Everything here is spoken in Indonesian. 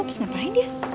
pas ngapain dia